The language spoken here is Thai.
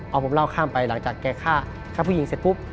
เอาผมเล่าข้ามไปหลังจากแกฆ่าผู้หญิงเสร็จปุ๊บ